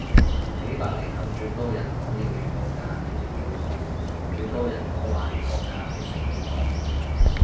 幾百年後最人多講英語國家變成中國，最多人講華語國家變成美國